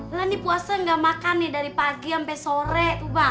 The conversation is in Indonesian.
udah nih puasa gak makan dari pagi sampai sore